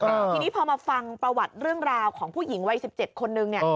ทีนี้พอมาฟังประวัติเรื่องราวของผู้หญิงวัยสิบเจ็ดคนนึงเนี่ย